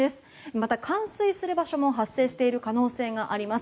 また、冠水する場所も発生している可能性があります。